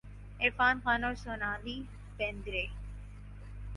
عرفان خان اور سونالی بیندر ے